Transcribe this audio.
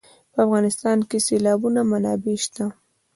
په افغانستان کې د سیلابونه منابع شته.